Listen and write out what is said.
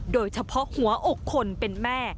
โดยเฉพาะหัวอกคนเป็นแม่